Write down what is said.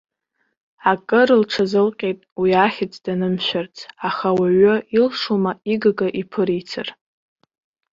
Акыр лҽазылҟьеит уи ахьӡ данымшәарц, аха ауаҩы илшома игага иԥырицар.